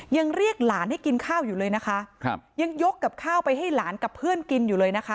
ยังเรียกหลานให้กินข้าวอยู่เลยนะคะครับยังยกกับข้าวไปให้หลานกับเพื่อนกินอยู่เลยนะคะ